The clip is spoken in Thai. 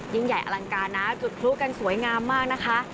ยิ่งใหญ่อลังการนะจุดพลุกันสวยงามมากนะคะ